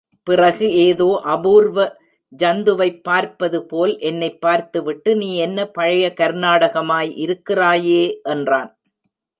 பிறகு ஏதோ அபூர்வ ஐந்துவைப் பார்ப்பது போல் என்னைப் பார்த்துவிட்டு நீ என்ன, பழைய கர்நாடகமாய் இருக்கிறாயே! என்றான்.